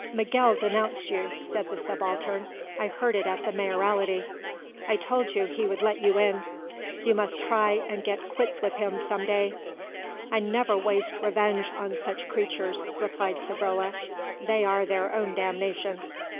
"Miguel denounced you," said the Subaltern; "I heard it at the Mayoralty. I told you he would let you in. You must try and get quits with him some day." "I never waste revenge on such creatures," replied Savrola; "they are their own damnation."